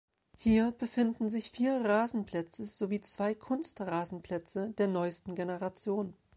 Hier befinden sich vier Rasenplätze sowie zwei Kunstrasenplätze der neuesten Generation.